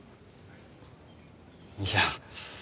いや。